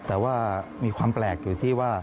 แต่ว่ามีความแปลกอยู่ที่ว่า